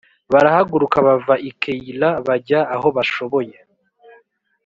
barahaguruka bava i Keyila bajya aho bashoboye